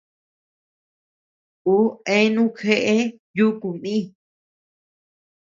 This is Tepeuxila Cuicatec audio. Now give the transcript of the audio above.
Uu eani jeʼe yuku mï.